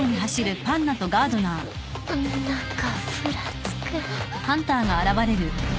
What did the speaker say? な何かふらつく。